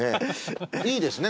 いいですね。